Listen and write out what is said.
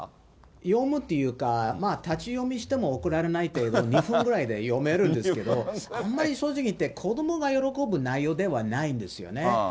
読むっていうか、立ち読みしても怒られない程度、２分ぐらいで読めるんですけど、あんまり正直言って、子どもが喜ぶ内容ではないんですよね。